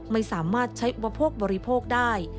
ไม่สามารถใช้อุปโภคบริโภคได้